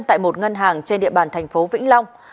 tại một ngân hàng trên địa bàn thành phố vĩnh long